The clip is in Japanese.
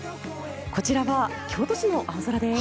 こちらは京都市の青空です。